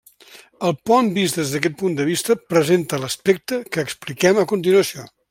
El pont vist des d'aquest punt de vista presenta l'aspecte que expliquem a continuació.